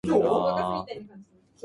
お茶